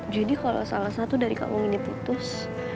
jadi kalau salah satu dari kalung ini putus